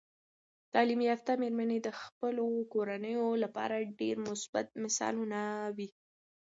تعلیم یافته میرمنې د خپلو کورنیو لپاره ډیر مثبت مثالونه وي.